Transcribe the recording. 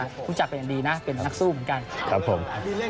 รู้จักเป็นอย่างดีนะเป็นนักสู้เหมือนกันครับผม